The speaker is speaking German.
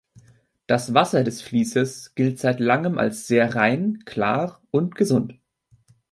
Das Wasser des Fließes gilt seit langem als sehr rein, klar und gesund.